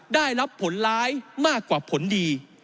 ได้รับผลร้ายมากกว่าผลดี